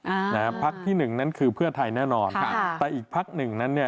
อ่านะฮะพักที่หนึ่งนั้นคือเพื่อไทยแน่นอนค่ะแต่อีกพักหนึ่งนั้นเนี่ย